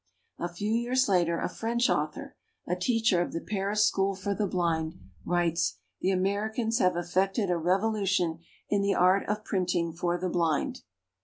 A few years later a French author, a teacher of the Paris school for the blind, writes, "The Americans have effected a revolution in the art of printing for the blind."